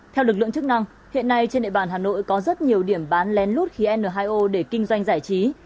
theo lực lượng chức năng hiện nay trên địa bàn hà nội có rất nhiều điểm bán lén lút khí n hai o để kinh doanh giải trí